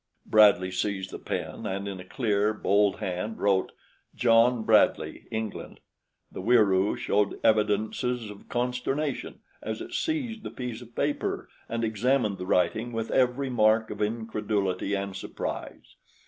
Bradley seized the pen and in a clear, bold hand wrote: "John Bradley, England." The Wieroo showed evidences of consternation as it seized the piece of paper and examined the writing with every mark of incredulity and surprise.